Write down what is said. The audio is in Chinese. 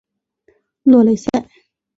洛雷塞。